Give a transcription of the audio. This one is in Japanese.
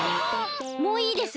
もういいです！